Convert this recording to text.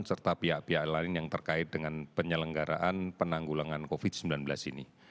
serta pihak pihak lain yang terkait dengan penyelenggaraan penanggulangan covid sembilan belas ini